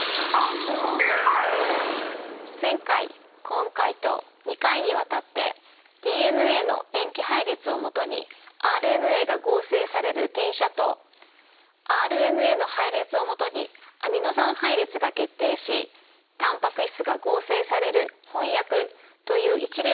前回今回と２回にわたってＤＮＡの塩基配列をもとにＲＮＡが合成される転写とＲＮＡの配列をもとにアミノ酸配列が決定しタンパク質が合成される翻訳という一連の流れ